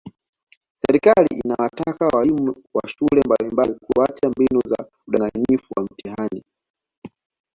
Serikali inawataka walimu wa shule mbalimbali kuacha mbinu za udanganyifu wa mitihani